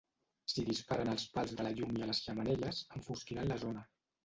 Si disparen als pals de la llum i a les xemeneies, enfosquiran la zona.